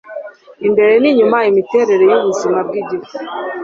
imbere ninyuma Imiterere yubuzima bwigifu